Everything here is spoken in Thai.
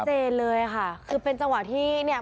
เจนเลยค่ะคือเป็นจังหวะที่เนี่ย